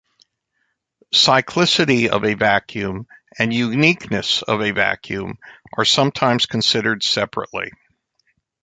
Cyclicity of a vacuum, and uniqueness of a vacuum are sometimes considered separately.